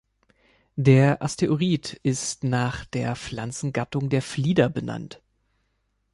Der Asteroid ist nach der Pflanzengattung der Flieder benannt.